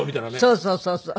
そうそうそうそう。